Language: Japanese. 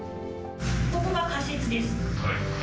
ここが仮説です。